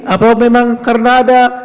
atau memang karena ada